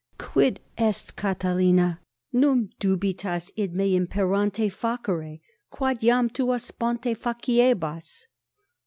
Quid est, Catilina? num dubitas id imperante me facere, 13 quod iam tua sponte faciebas?